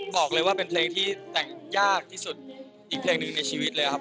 บอกเลยว่าเป็นเพลงที่แต่งยากที่สุดอีกเพลงหนึ่งในชีวิตเลยครับ